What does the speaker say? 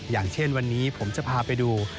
อย่างเช่นวันนี้ผมจะพาไปดู